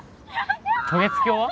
渡月橋は？